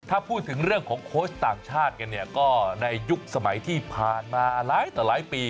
ถ้าพูดถึงเรื่องของโค้ชต่างชาติกันเนี่ยก็ในยุคสมัยที่ผ่านมาหลายต่อหลายปี